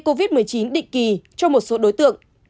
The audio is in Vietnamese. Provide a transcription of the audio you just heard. covid một mươi chín định kỳ cho một số đối tượng